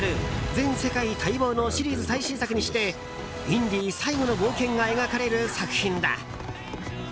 全世界待望のシリーズ最新作にしてインディ最後の冒険が描かれる作品だ。